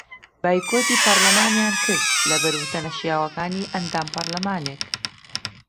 بایکۆتی پەرلەمانیان کرد لەبەر وتە نەشیاوەکانی ئەندام پەرلەمانێک